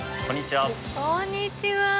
こんにちは。